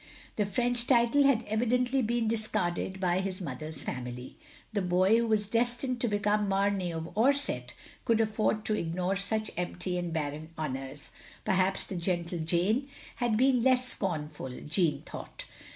The French title had evidently been discarded by his mother's family. The boy who was destined to become Mamey of Orsett could afford to ignore such empty and barren honours. Perhaps the "gentle Jane" had been less scornful, Jeanne thought.